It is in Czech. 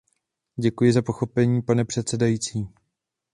Děkuji za pochopení pane předsedající.